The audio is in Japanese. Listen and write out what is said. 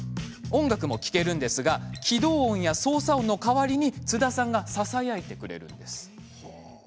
音楽も聴けるんですが起動音や操作音の代わりに津田さんがささやいてくれるんです。